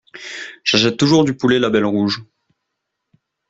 J'achète toujours du poulet label rouge.